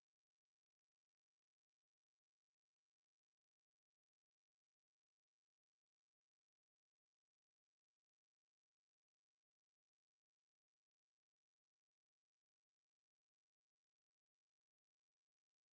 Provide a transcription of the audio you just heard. โปรดติดตามตอนต่อไป